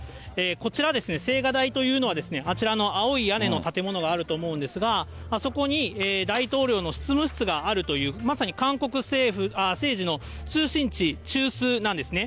こちら、青瓦台というのは、あちらの青い屋根の建物があると思うんですが、そこに大統領の執務室があるという、まさに韓国政治の中心地、中枢なんですね。